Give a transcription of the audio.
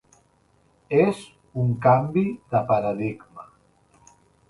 És un canvi de paradigma.